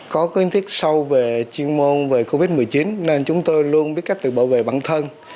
có kiến thức sâu về chuyên môn về covid một mươi chín nên chúng tôi luôn biết cách tự bảo vệ bản thân